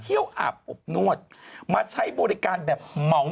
ไปเที่ยวอาบอบนวดมาใช้บริการแบบเหมาะ